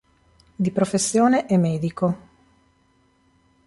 Di professione è medico.